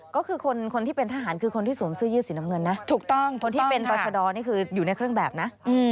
ก็คือคนที่เป็นทหารคือคนที่สูงซื้อยื่อสีน้ำเงินนะ